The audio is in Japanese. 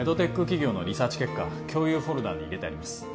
企業のリサーチ結果共有フォルダに入れてあります